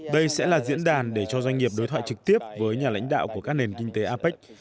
đây sẽ là diễn đàn để cho doanh nghiệp đối thoại trực tiếp với nhà lãnh đạo của các nền kinh tế apec